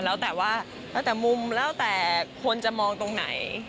แล้วแต่ว่าแล้วแต่มุมแล้วแต่คนจะมองตรงไหน